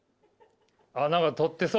何か取ってそう。